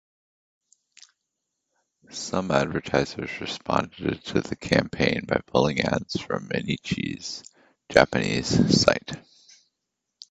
Some advertisers responded to the campaign by pulling ads from "Mainichi"'s Japanese site.